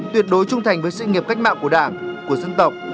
tuyệt đối trung thành với sự nghiệp cách mạng của đảng của dân tộc